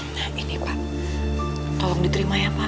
nah ini pak tolong diterima ya pak